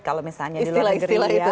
kalau misalnya di luar negeri ya